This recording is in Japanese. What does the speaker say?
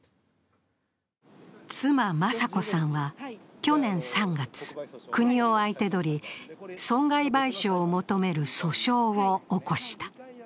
妻・雅子さんは去年３月国を相手取り損害賠償を求める訴訟を起こした。